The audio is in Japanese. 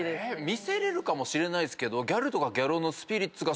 見せれるかもしれないっすけど。